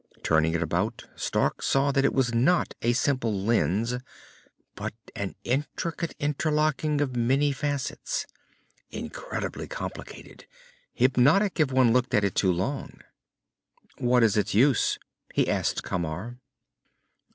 Turning it about, Stark saw that it was not a simple lens, but an intricate interlocking of many facets. Incredibly complicated, hypnotic if one looked at it too long. "What is its use?" he asked of Camar.